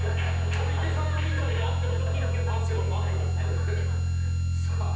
小池さんの理解で合ってます。